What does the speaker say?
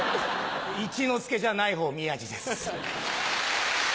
一之輔じゃない方宮治です。